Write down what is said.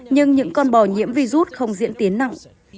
nhưng những con bò nhiễm virus không diễn tiến nặng